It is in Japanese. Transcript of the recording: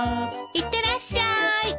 いってらっしゃい。